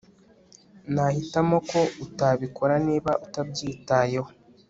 Nahitamo ko utabikora niba utabyitayeho